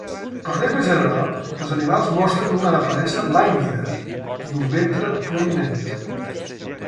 Per regla general, els animals mostren una aparença lànguida i un ventre prominent.